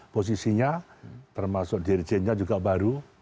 posisinya termasuk dirijennya juga baru